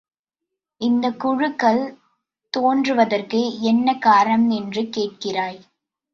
இந்தக் குழுக்கள் தோன்றுவதற்கு என்ன காரணம் என்று கேட்கின்றாய்.